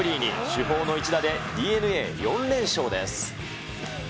主砲の一打で、ＤｅＮＡ４連勝です。